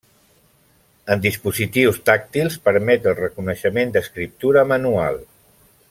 En dispositius tàctils permet el reconeixement d’escriptura manual.